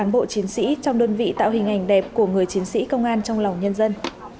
bộ chiến sĩ trong đơn vị tạo hình ảnh đẹp của người chiến sĩ công an trong lòng nhân dân